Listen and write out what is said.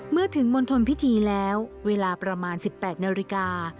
เมื่อถึงมณฑลพิธีแล้วเวลาประมาณ๑๘นาฬิกา